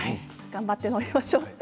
頑張って飲みましょう。